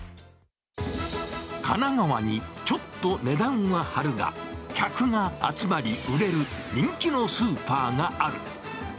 神奈川にちょっと値段ははるが、客が集まり、売れる人気のスーパーがある。